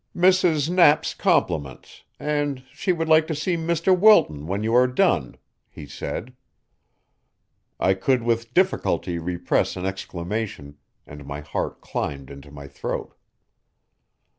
"Mrs. Knapp's compliments, and she would like to see Mr. Wilton when you are done," he said. I could with difficulty repress an exclamation, and my heart climbed into my throat.